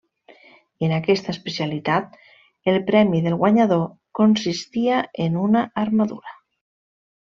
En aquesta especialitat el premi del guanyador consistia en una armadura.